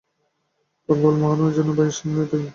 পঙ্গপাল মহামারীর জন্য বায়োসিন-ই দায়ী।